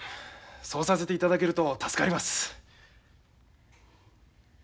そうさせていただけると助かります。